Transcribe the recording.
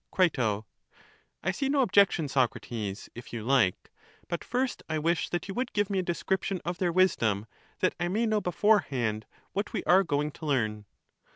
Cri. I see no objection, Socrates, if you hke; but first I wish that you would give me a description of their wisdom, that I may know beforehand what we are going to learn.